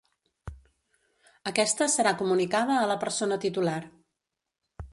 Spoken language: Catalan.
Aquesta serà comunicada a la persona titular.